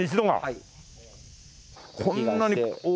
はい。